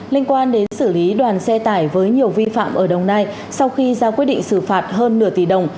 liên quan đến xử lý đoàn xe tải với nhiều vi phạm ở đồng nai sau khi ra quyết định xử phạt hơn nửa tỷ đồng